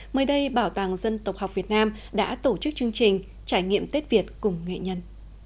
mới đây bảo tàng dân tộc học việt nam đã tổ chức chương trình trải nghiệm tết việt cùng nghệ nhân